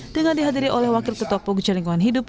dengan dihadiri oleh wakil ketua pengurusan lingkungan hidup